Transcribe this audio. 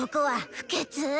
不潔！